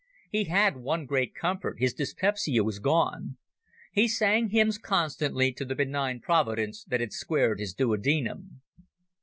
He had one great comfort, his dyspepsia was gone. He sang hymns constantly to the benign Providence that had squared his duodenum.